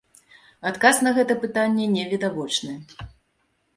Адказ на гэта пытанне невідавочны.